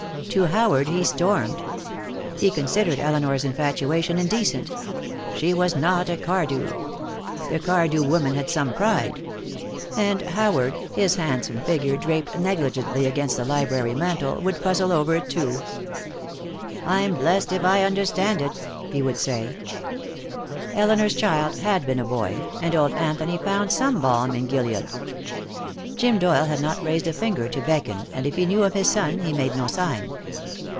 To Howard he stormed. He considered Elinor's infatuation indecent. She was not a Cardew. The Cardew women had some pride. And Howard, his handsome figure draped negligently against the library mantel, would puzzle over it, too. "I'm blessed if I understand it," he would say. Elinor's child had been a boy, and old Anthony found some balm in Gilead. Jim Doyle had not raised a finger to beckon, and if he knew of his son, he made no sign.